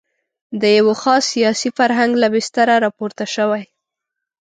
د یوه خاص سیاسي فرهنګ له بستره راپورته شوې.